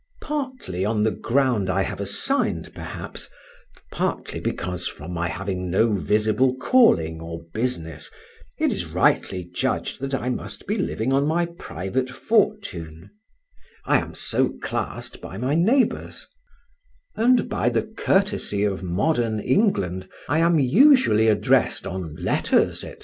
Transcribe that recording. Partly on the ground I have assigned perhaps, partly because from my having no visible calling or business, it is rightly judged that I must be living on my private fortune; I am so classed by my neighbours; and by the courtesy of modern England I am usually addressed on letters, &c.